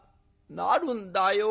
「なるんだよ。